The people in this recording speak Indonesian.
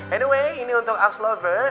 anyway ini untuk ask lover